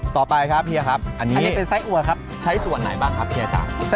ต่อไปครับเฮียครับอันนี้ใช้ส่วนไหนบ้างครับเฮียจ้า